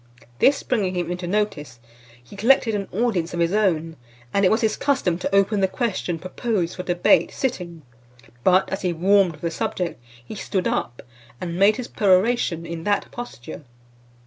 This bringing him into notice, he collected an audience of his own, and it was his custom to open the question proposed for debate, sitting; but as he warmed with the subject, he stood up, and made his peroration in that posture.